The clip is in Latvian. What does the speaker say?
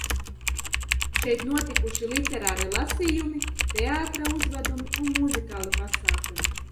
Šeit notikuši literāri lasījumi, teātra uzvedumi un muzikāli pasākumi.